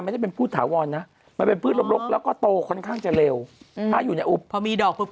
ได้๑ขวดนึงโอ้โฮต้องใช้ที่อยู่